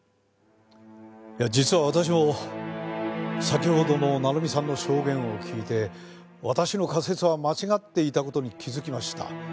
いや実は私も先ほどの成美さんの証言を聞いて私の仮説は間違っていた事に気づきました。